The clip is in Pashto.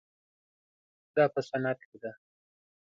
دا په صنعت کې ده.